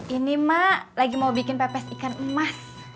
ini mak lagi mau bikin pepes ikan emas